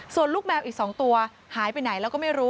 ส่วนลูกแมวอีก๒ตัวหายไปไหนแล้วก็ไม่รู้